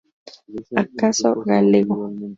O caso galego".